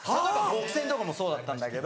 『ごくせん』とかもそうだったんだけど。